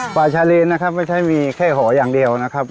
ชาเลนนะครับไม่ใช่มีแค่หออย่างเดียวนะครับ